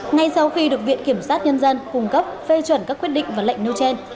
ngay sau khi được viện kiểm sát nhân dân cung cấp phê chuẩn các quyết định và lệnh nêu trên